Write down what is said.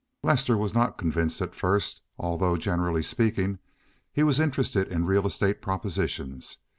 Lester was not convinced at first, although, generally speaking, he was interested in real estate propositions.